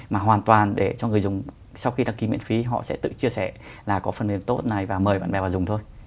mà hoàn toàn để cho người dùng sau khi đăng ký miễn phí họ sẽ tự chia sẻ là có phần mềm tốt này và mời bạn bè vào dùng thôi